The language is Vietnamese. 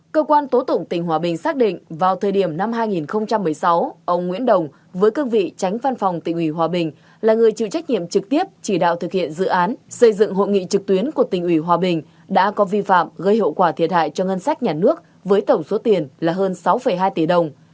cơ quan tố tụng tỉnh hòa bình xác định vào thời điểm năm hai nghìn một mươi sáu ông nguyễn đồng với cương vị tránh văn phòng tỉnh ủy hòa bình là người chịu trách nhiệm trực tiếp chỉ đạo thực hiện dự án xây dựng hội nghị trực tuyến của tỉnh ủy hòa bình đã có vi phạm gây hậu quả thiệt hại cho ngân sách nhà nước với tổng số tiền là hơn sáu hai tỷ đồng